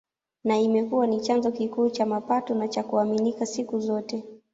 Na imekuwa ni chanzo kikuu cha mapato na cha kuaminika siku zote